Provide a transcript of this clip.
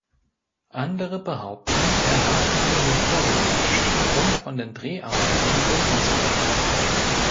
Andere behaupten, er habe ihn nur vorgetäuscht, um von den Dreharbeiten entbunden zu werden.